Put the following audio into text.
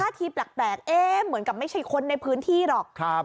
ทีแปลกเอ๊ะเหมือนกับไม่ใช่คนในพื้นที่หรอก